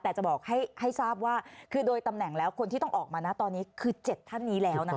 แต่จะบอกให้ทราบว่าคือโดยตำแหน่งแล้วคนที่ต้องออกมานะตอนนี้คือ๗ท่านนี้แล้วนะคะ